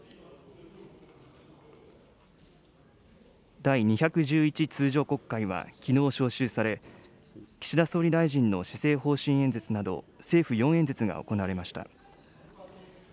第２１１通常国会はきのう召集され、岸田総理大臣の施政方針演説など、政府４演説が行われました。